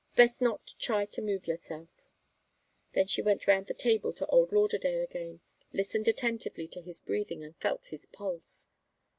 Best not try to move yourself." Then she went round the table to old Lauderdale again, listened attentively to his breathing and felt his pulse.